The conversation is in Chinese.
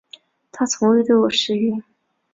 他从未对我失约